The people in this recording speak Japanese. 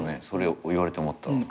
それを言われて思った。